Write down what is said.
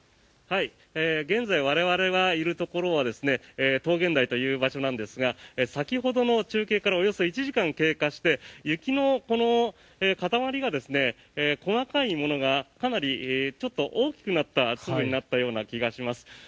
現在、我々がいるところは桃源台という場所ですが先ほどの中継からおよそ１時間経過して雪の塊が細かいものがかなりちょっと大きくなった粒になったような気がします。